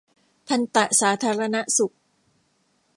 ทันตสาธารณสุข